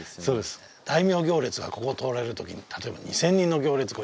そうです大名行列がここを通られるときに例えば２０００人の行列